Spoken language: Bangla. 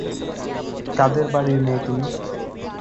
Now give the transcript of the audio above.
কাঁদে র বাড়ির মেয়ে তুমি?